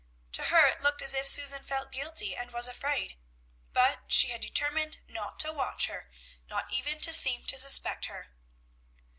To her it looked as if Susan felt guilty and was afraid; but she had determined not to watch her, not even to seem to suspect her.